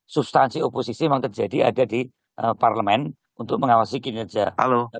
substansi oposisi memang terjadi ada di parlemen untuk mengawasi kinerja